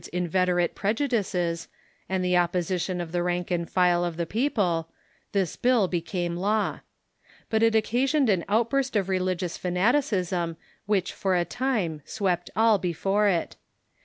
's inveterate prejudices, and the opposition of ROMAX CATIIOLTCISM IX ENGLAND 395 the rank and file of tlic people, tliis bill became law. But it occasioned an outburst of religious fanaticism AvhicU for a time swept all before it.